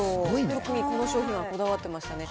特にこの商品はこだわってましたね。